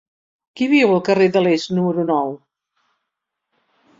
Qui viu al carrer de l'Est número nou?